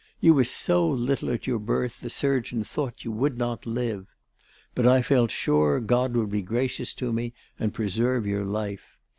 You were so little at your birth the surgeon thought you would not live. But I felt sure God would be gracious to me and preserve your life.